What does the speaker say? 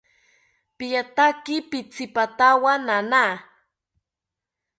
Piataki pitzipatawo nana